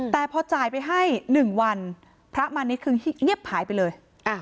แต่พอจ่ายไปให้๑วันพระมาณิชคือเงียบหายไปเลย